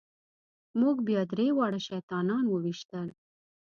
موږ بیا درې واړه شیطانان وويشتل.